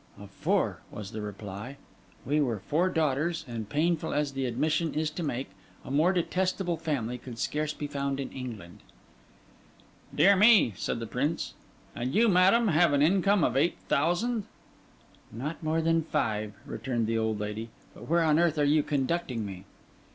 'Of four,' was the reply. 'We were four daughters; and painful as the admission is to make, a more detestable family could scarce be found in England.' 'Dear me!' said the Prince. 'And you, madam, have an income of eight thousand?' 'Not more than five,' returned the old lady; 'but where on earth are you conducting me?